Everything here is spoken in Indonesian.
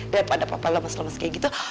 daripada papa lomes lemes kayak gitu